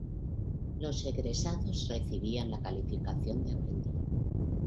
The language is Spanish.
Los egresados recibían la calificación de "aprendiz".